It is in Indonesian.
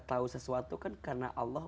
tahu sesuatu kan karena allah